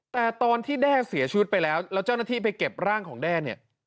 แต่ตอนที่แด้เสียชีวิตไปแล้วแล้วเจ้าหน้าที่ไปเก็บร่างของแด้เนี่ย